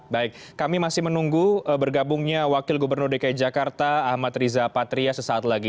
baik kami masih menunggu bergabungnya wakil gubernur dki jakarta ahmad riza patria sesaat lagi